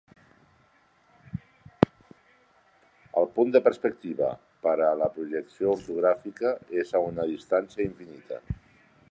El "punt de perspectiva" para a la projecció ortogràfica és a una distància infinita.